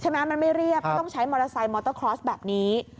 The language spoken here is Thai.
ใช่ไหมมันไม่เรียบต้องใช้มอเตอร์ไซค์แบบนี้